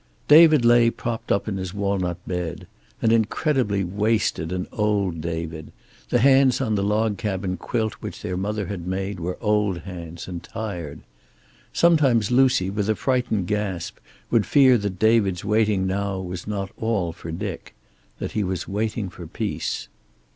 David lay propped up in his walnut bed. An incredibly wasted and old David; the hands on the log cabin quilt which their mother had made were old hands, and tired. Sometimes Lucy, with a frightened gasp, would fear that David's waiting now was not all for Dick. That he was waiting for peace.